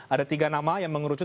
ada tiga nama yang mengerucut